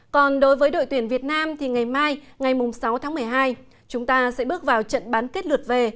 còn đối với đội tuyển việt nam thì ngày mai ngày sáu tháng một mươi hai chúng ta sẽ bước vào trận bán kết lượt về